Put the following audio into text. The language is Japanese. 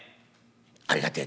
ありがてえ」。